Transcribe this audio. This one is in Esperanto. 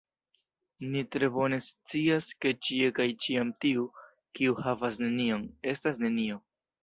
Ni tre bone scias, ke ĉie kaj ĉiam tiu, kiu havas nenion, estas nenio.